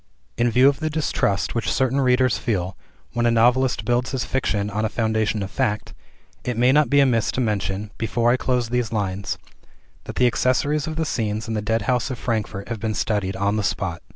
In view of the distrust which certain readers feel, when a novelist builds his fiction on a foundation of fact, it may not be amiss to mention (before I close these lines), that the accessories of the scenes in the Deadhouse of Frankfort have been studied on the spot.